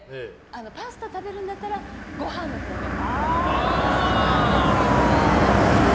パスタ食べるんだったらご飯のほうが好きなんですよね。